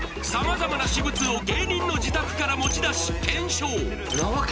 様々な私物を芸人の自宅から持ち出し検証